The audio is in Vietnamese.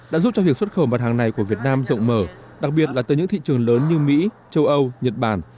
đã giúp cho việc xuất khẩu mặt hàng này của việt nam rộng mở đặc biệt là từ những thị trường lớn như mỹ châu âu nhật bản